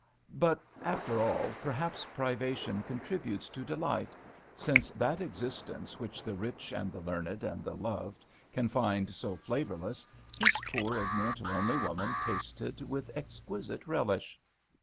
But, after all, perhaps privation contributes to delight, since that existence which the rich and the learned and the loved can find so flavourless, this poor, ignorant, lonely woman tasted with exquisite relish.